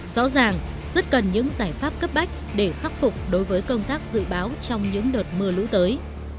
rõ ràng rất cần những giải pháp cấp bách để khắc phục đối với công tác dự báo trong những đợt mưa lũ tới